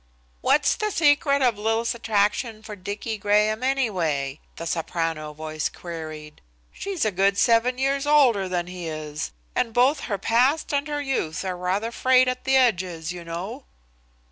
"What's the secret of Lil's attraction for Dicky Graham, anyway?" the soprano voice queried. "She's a good seven years older than he is, and both her past and her youth are rather frayed at the edges, you know."